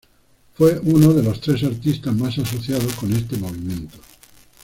Fue uno de los tres artistas más asociados con este movimiento.